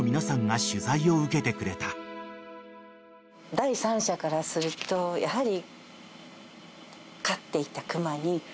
第三者からするとやはり。